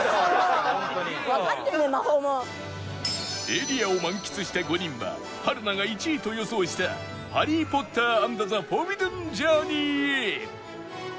エリアを満喫した５人は春菜が１位と予想したハリー・ポッター・アンド・ザ・フォービドゥン・ジャーニーへ！